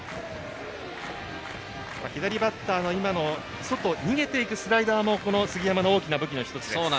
左バッターの外逃げていくスライダーも杉山の大きな武器の１つです。